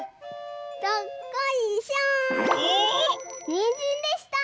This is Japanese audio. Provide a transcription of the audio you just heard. にんじんでした！